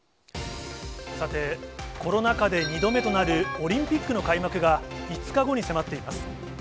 さて、コロナ禍で２度目となるオリンピックの開幕が５日後に迫っています。